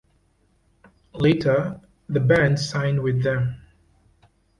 Later the band signed with them.